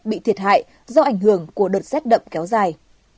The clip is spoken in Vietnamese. bị thiệt hại do ảnh hưởng của đợt rét đậm kéo dài